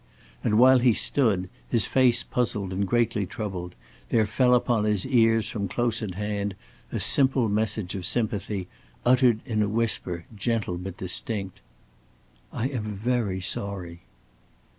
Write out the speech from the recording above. and while he stood, his face puzzled and greatly troubled, there fell upon his ears from close at hand a simple message of sympathy uttered in a whisper gentle but distinct: "I am very sorry."